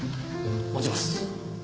持ちます。